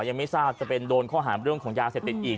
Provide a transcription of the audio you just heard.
ยังไม่ทราบจะเป็นโดนข้อหาเรื่องของยาเสพติดอีก